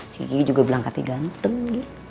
si gi juga bilang kaki ganteng